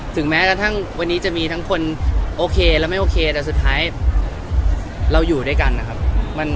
ถึงแม้วันนี้จะมีทั้งคนโอเคและไม่โอเคแต่สุดท้ายเราอยู่ด้วยกัน